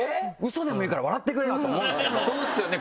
そうですよね！